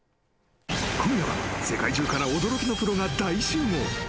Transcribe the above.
今夜は世界中から驚きのプロが大集合。